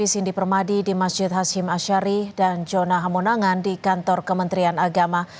kompas tv jayah pemadi di masjid hashim ashari dan jonah hamunangan di kantor kementerian agama